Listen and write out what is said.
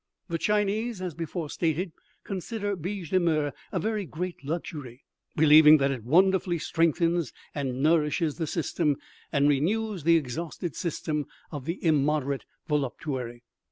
"The Chinese, as before stated, consider biche de mer a very great luxury, believing that it wonderfully strengthens and nourishes the system, and renews the exhausted system of the immoderate voluptuary.